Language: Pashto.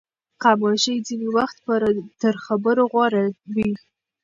خاموشي ځینې وخت تر خبرو غوره وي.